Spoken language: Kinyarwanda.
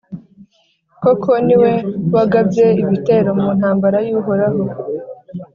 Koko, ni we wagabye ibitero mu ntambara y’Uhoraho.